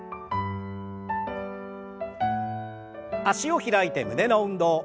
脚を開いて胸の運動。